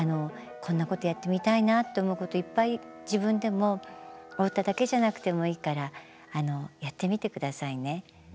こんなことやってみたいなって思うこといっぱい自分でもお歌だけじゃなくてもいいからやってみて下さいね。